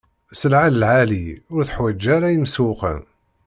Sselɛa lɛali, ur teḥwaǧ ara imsewwqen.